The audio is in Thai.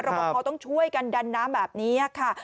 ประพอต้องช่วยกันดันน้ำแบบนี้ค่ะ